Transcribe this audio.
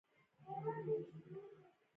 د سون توکي د انرژۍ مهمه سرچینه ده.